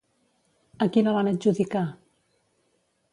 A qui la van adjudicar?